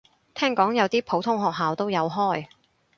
聽講有啲普通學校都有開